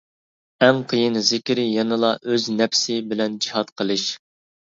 ئەڭ قىيىن زىكرى يەنىلا ئۆز نەپسى بىلەن جىھاد قىلىش.